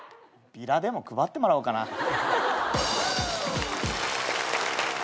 ビラでも配ってもらおうかな。